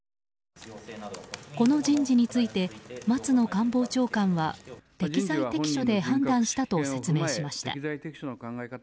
この人事について松野官房長官は適材適所で判断したと説明しました。